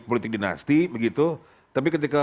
politik dinasti begitu tapi ketika